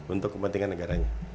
untuk kepentingan negaranya